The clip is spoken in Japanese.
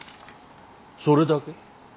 それだけ？